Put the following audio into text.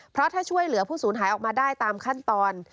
เพราะถ้าช่วยเหลือผู้สูญหายออกมาได้ตามขั้นตอน